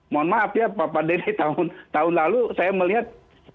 mohon maaf ya pak pandemi tahun lalu saya melihat